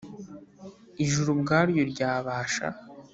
Ijuru Ubwaryo Ryabasha